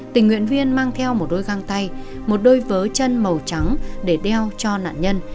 tình nguyện viên mang theo một đôi găng tay một đôi vớ chân màu trắng để đeo cho nạn nhân